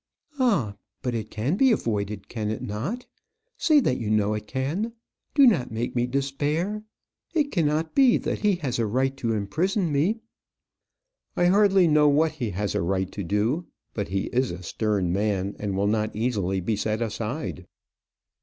"Ah! but it can be avoided; can it not? Say that you know it can. Do not make me despair. It cannot be that he has a right to imprison me." "I hardly know what he has a right to do. But he is a stern man, and will not easily be set aside."